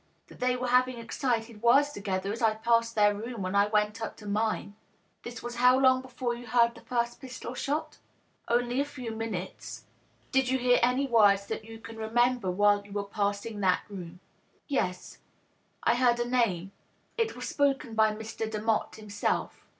" That they were having excited words together as I passed their room when I went up to mine." " This was how long before you heard the first pistol shot?" " Only a few minutes." " Did you hear any words that you can remember while you were passing that room ?"" Yes ; I heard a name. It was spoken by Mr. Demotte himself.